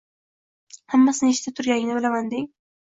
“Hammasini eshitib turganingni bilaman!”, deng.